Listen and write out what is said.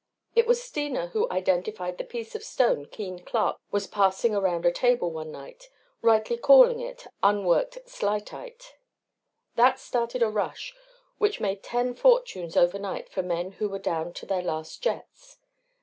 It was Steena who identified the piece of stone Keene Clark was passing around a table one night, rightly calling it unworked Slitite. That started a rush which made ten fortunes overnight for men who were down to their last jets.